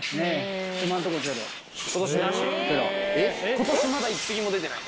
今年まだ１匹も出てない？